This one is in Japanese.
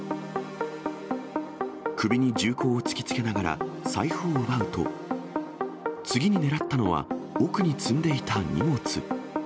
首に銃口を突きつけながら、財布を奪うと、次に狙ったのは、奥に積んでいた荷物。